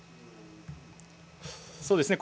そうですね。